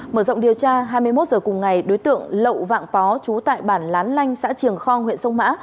mở rộng điều tra hai mươi một h cùng ngày đối tượng lậu vạng phó trú tại bản lán lanh xã triềng khong huyện sông mã